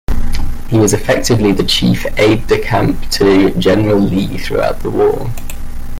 He was effectively the chief aide-de-camp to General Lee throughout the war.